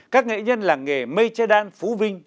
các nghệ nhân làng nghề mây che đan phú vinh